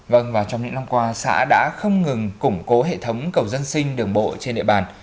vâng và trong những năm qua xã đã không ngừng củng cố hệ thống cầu dân sinh đường bộ trên địa bàn